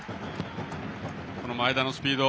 この前田のスピード。